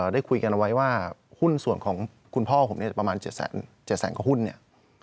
ได้คุยกันเอาไว้ว่าหุ้นส่วนของคุณพ่อผมเนี่ยประมาณ๗แสนกว่าหุ้นเนี่ย